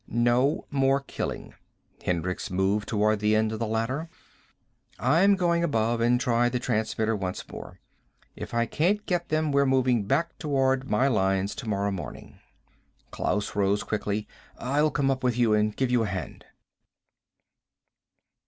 "No more killing." Hendricks moved toward the end of the ladder. "I'm going above and try the transmitter once more. If I can't get them we're moving back toward my lines tomorrow morning." Klaus rose quickly. "I'll come up with you and give you a hand."